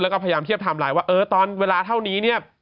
แล้วก็พยายามเทียบไทม์ไลน์ว่าเออตอนเวลาเท่านี้เนี่ย